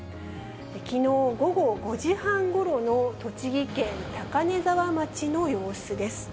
きのう午後５時半ごろの栃木県高根沢町の様子です。